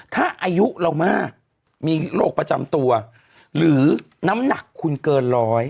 ถ้าอายุเรามากมีโรคประจำตัวหรือน้ำหนักคุณเกินร้อย